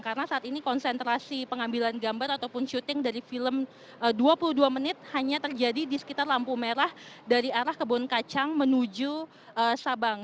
karena saat ini konsentrasi pengambilan gambar ataupun syuting dari film dua puluh dua menit hanya terjadi di sekitar lampu merah dari arah kebon kacang menuju sabang